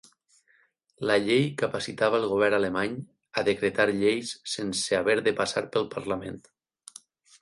La llei capacitava el govern alemany a decretar lleis sense haver de passar pel parlament.